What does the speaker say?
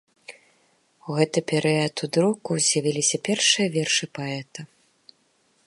У гэты перыяд у друку з'явіліся першыя вершы паэта.